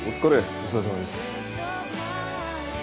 お疲れさまです。